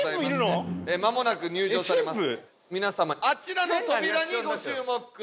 皆様あちらの扉にご注目ください。